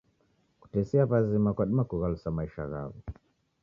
Kutesia w'azima kwadima kughalusa maisha ghaw'o.